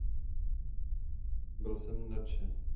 Byl jsem nadšen.